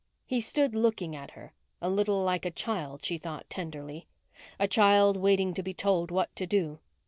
He stood looking at her, a little like a child, she thought tenderly; a child waiting to be told what to do.